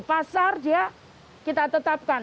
pasar dia kita tetapkan